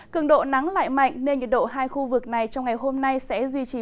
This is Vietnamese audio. cường độ nắng lại mạnh nên nhiệt độ hai khu vực này trong ngày hôm nay sẽ duy trì